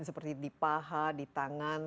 seperti di paha di tangan